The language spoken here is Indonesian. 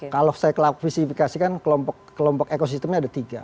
kalau saya klarifikasikan kelompok ekosistemnya ada tiga